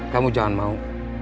kamu jangan mau